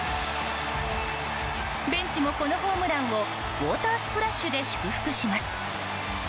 ベンチも、このホームランをウォータースプラッシュで祝福します。